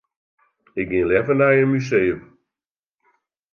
Ik gean leaver nei in museum.